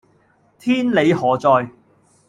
天理何在